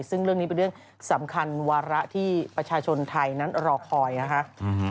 ซึ่งเรื่องนี้เป็นเรื่องสำคัญวาระที่ประชาชนไทยนั้นรอคอยนะคะ